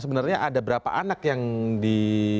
sebenarnya ada berapa anak yang di